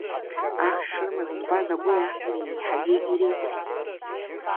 Ахш шрымаз збаз агәылеи-азлеи еиҳагьы иреигәырӷьеит.